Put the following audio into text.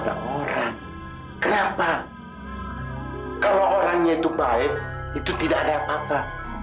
kalau orangnya itu baik itu tidak ada apa apa